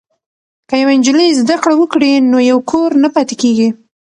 که یوه نجلۍ زده کړه وکړي نو یو کور نه پاتې کیږي.